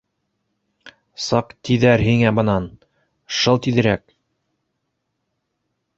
Сыҡ тиҙәр һиңә мынан, шыл тиҙерәк!